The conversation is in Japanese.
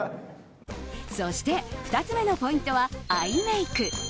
そして２つ目のポイントはアイメイク。